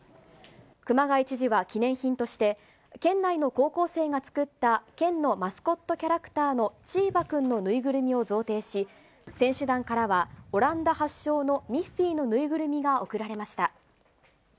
熊谷知事は記念品として、県内の高校生が作った県のマスコットキャラクターのチーバくんの縫いぐるみを贈呈し、選手団からは、オランダ発祥のミッフィーの縫いぐるみが贈られました。